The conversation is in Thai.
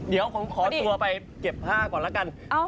เดี๋ยวขอตัวไปเก็บถ้าก่อนฮะ